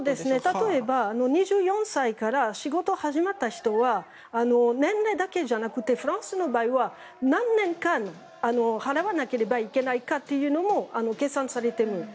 例えば、２４歳から仕事が始まった人は年齢だけじゃなくてフランスの場合は何年間払わなければいけないというのも計算されているんです。